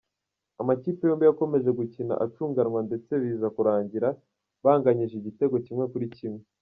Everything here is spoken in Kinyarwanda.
Amakipe yombi yakomeje gukina acunganwa ndetse biza kurangira banganyije igitego kimwe kuri kimwe.